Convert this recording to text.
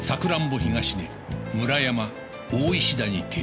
東根村山大石田に停車